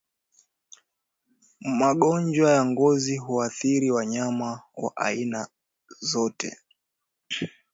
Magonjwa ya ngozi huathiri wanyama wa aina azote